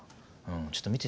ちょっと見てて。